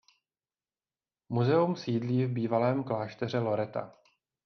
Muzeum sídlí v bývalém klášteře Loreta.